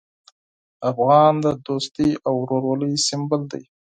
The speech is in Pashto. افغان د دوستي او ورورولۍ سمبول دی.